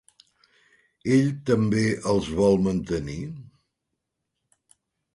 Ell també els vol mantenir?